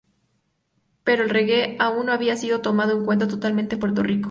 Pero el reggae aún no había sido tomado en cuenta totalmente en Puerto Rico.